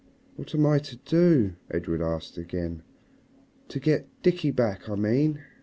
"What am I to do?" Edred asked again "to get Dickie back, I mean."